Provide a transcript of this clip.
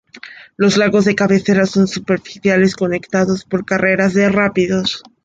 Los lagos de cabecera son superficiales, conectados por carreras de rápidos.